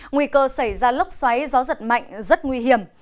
nguy cơ xảy ra lốc xoáy gió giật mạnh rất nguy hiểm